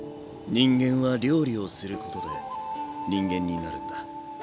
人間は料理をすることで人間になるんだ。